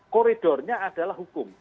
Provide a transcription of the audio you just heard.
koridornya adalah hukum